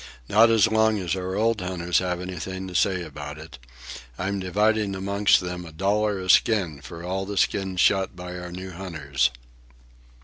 "Not as long as our old hunters have anything to say about it. I'm dividing amongst them a dollar a skin for all the skins shot by our new hunters.